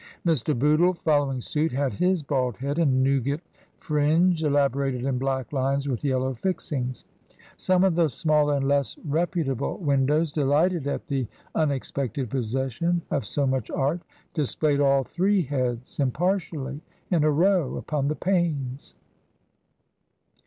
Mr. Bootle, fol lowing suit, had his bald head and Newgate fringe elaborated in black lines with yellow fixings. Some of the smaller and less reputable windows, delighted at the TRANSITION. 209 unexpected possession of so much art, displayed all three heads impartially in a row upon the panes.